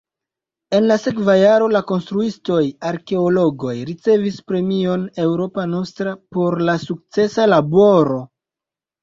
En la sekva jaro la konstruistoj-arkeologoj ricevis premion Europa Nostra por la sukcesa laboro.